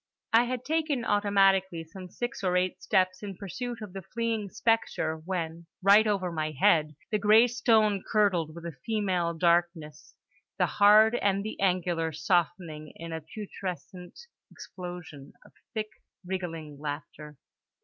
I had taken automatically some six or eight steps in pursuit of the fleeing spectre when, right over my head, the grey stone curdled with a female darkness; the hard and the angular softening in a putrescent explosion of thick wriggling laughter.